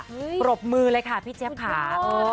อื้อเกิมไปปรบมือเลยค่ะพี่จิ๊บขา